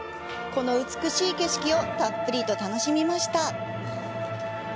この美しい景色をたっぷりと楽しみました。